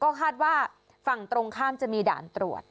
ก็คาดว่าฝั่งตรงข้ามจะมีด่านตรวจ